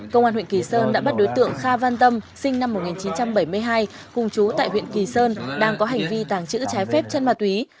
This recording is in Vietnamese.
công an huyện kỳ sơn đã bắt đối tượng kha văn tâm sinh năm một nghìn chín trăm bảy mươi hai cùng chú tại huyện kỳ sơn đang có hành vi tàng trữ trái phép chân ma túy